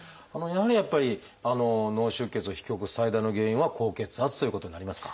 やっぱり脳出血を引き起こす最大の原因は高血圧ということになりますか？